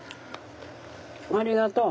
ありがとう。